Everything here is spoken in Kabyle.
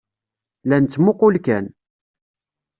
La nettmuqqul kan.